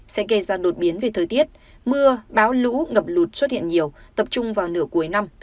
sẽ gây ra đột biến về thời tiết mưa báo lũ ngập lụt xuất hiện nhiều tập trung vào nửa cuối năm